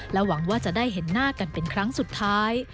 หวังว่าจะได้เห็นหน้ากันเป็นครั้งสุดท้าย